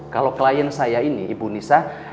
kalau klien saya ini ibu nisa